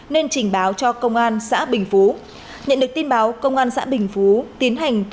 nên trình báo cho công an xã bình phú nhận được tin báo công an xã bình phú tiến hành